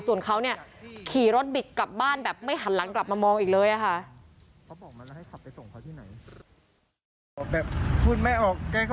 ส่วนเขาเนี่ยขี่รถบิดกลับบ้านแบบไม่หันหลังกลับมามองอีกเลยค่ะ